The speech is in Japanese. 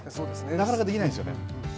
なかなかできないんですよね。